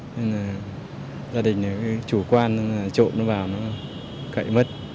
nên là gia đình chủ quan trộn nó vào nó cậy mất